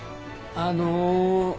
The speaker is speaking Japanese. あの。